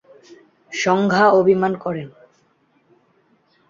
সংজ্ঞা অভিমান করেন।